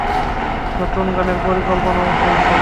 নতুন গানের পরিকল্পনাও চলছে।